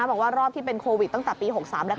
บอกว่ารอบที่เป็นโควิดตั้งแต่ปี๖๓แล้ว